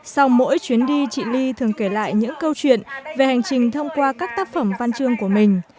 sau mỗi chuyến đi chị ly thường kể lại những câu chuyện về hành trình thông qua các tác phẩm văn chương của mình